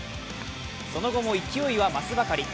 その後も勢いは増すばかり。